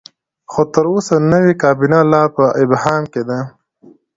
خو تر اوسه نوې کابینه لا په ابهام کې ده.